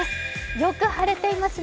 よく晴れてますね。